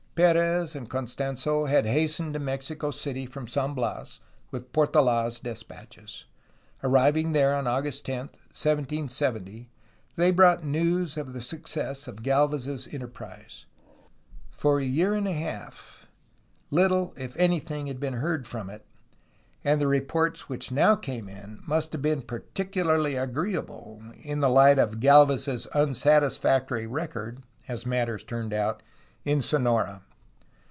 P^rez and Costans6 had hastened to Mexico City from San Bias with PortoM's despatches. Arriving there on August 10, 1770, they brought news of the success of Galvez's enterprise. For a year and a half, little if anything had been heard from it, and the reports which now came in must have been particularly agreeable, in the light of Gdlvez's unsatis factory record (as matters had turned out) in Sonora.